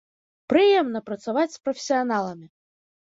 Прыемна працаваць з прафесіяналамі!